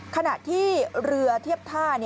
ขณะที่เรือเทียบท่า